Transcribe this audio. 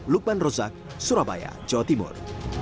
lukman rozak surabaya jawa timur